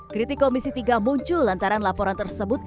kritik komisi tiga muncul lantaran laporan tersebut